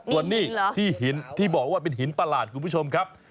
ส่วนนี้ที่บอกว่าเป็นหินประหลาดคุณผู้ชมครับ